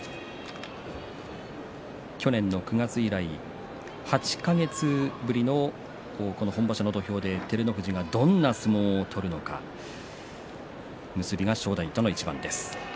去年の９月以来８か月ぶりの本場所の土俵で照ノ富士がどんな相撲を取るのか結びで正代との一番です。